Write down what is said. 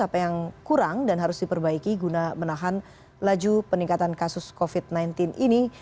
apa yang kurang dan harus diperbaiki guna menahan laju peningkatan kasus covid sembilan belas ini